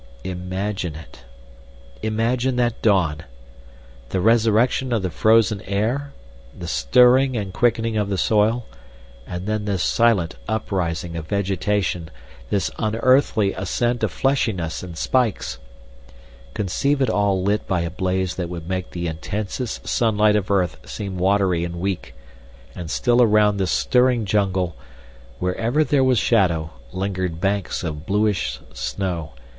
Imagine it! Imagine that dawn! The resurrection of the frozen air, the stirring and quickening of the soil, and then this silent uprising of vegetation, this unearthly ascent of fleshiness and spikes. Conceive it all lit by a blaze that would make the intensest sunlight of earth seem watery and weak. And still around this stirring jungle, wherever there was shadow, lingered banks of bluish snow.